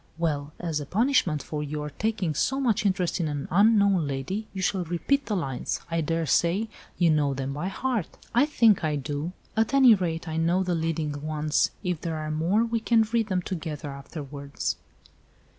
Well, as a punishment for your taking so much interest in an unknown lady you shall repeat the lines. I daresay you know them by heart." "I think I do. At any rate I know the leading ones. If there are more we can read them together afterwards.